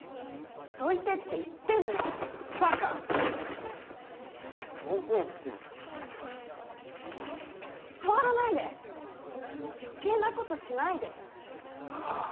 どいてって言ってんのバカバカって触らないで余計なことしないではあ？